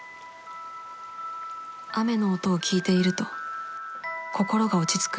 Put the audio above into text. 雨の音を聞いていると心が落ち着く